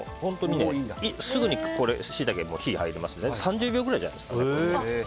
すぐにシイタケに火が入りますので３０秒ぐらいじゃないですか。